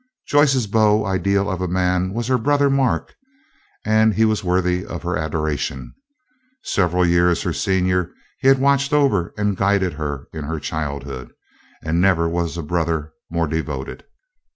Joyce's beau ideal of a man was her brother Mark, and he was worthy of her adoration. Several years her senior, he had watched over and guided her in her childhood, and never was a brother more devoted.